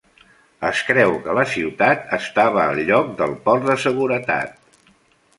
Es creu que la ciutat estava al lloc del port de seguretat.